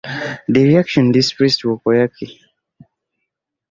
That reaction depressed Walkowiak.